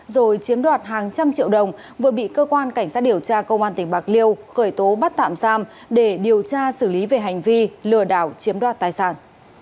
rồi chiếm đoạt hàng trăm triệu đồng vừa bị cơ quan cảnh sát điều tra công an tỉnh bạc liêu khởi tố bắt tạm giam để điều tra xử lý về hành vi lừa đảo chiếm đoạt tài sản